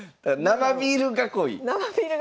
生ビール囲い！